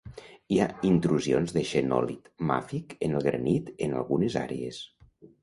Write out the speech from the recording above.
Hi ha intrusions de xenòlit màfic en el granit en algunes àrees.